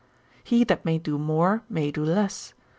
'He that may do more may do less.